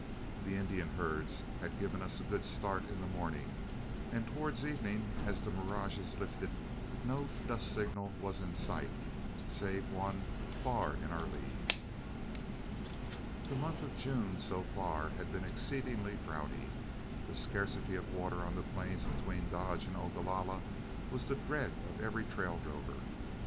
The Indian herds had given us a good start in the morning, and towards evening as the mirages lifted, not a dust signal was in sight, save one far in our lead. The month of June, so far, had been exceedingly droughty. The scarcity of water on the plains between Dodge and Ogalalla was the dread of every trail drover.